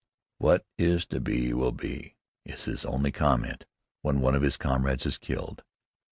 "What is to be will be" is his only comment when one of his comrades is killed.